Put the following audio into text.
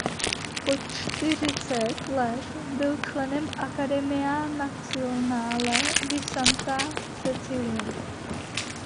Po čtyřicet let byl členem Accademia Nazionale di Santa Cecilia.